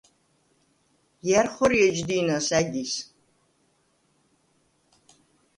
ჲა̈რ ხორი ეჯ დი̄ნას ა̈გის?